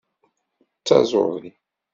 D taẓuri.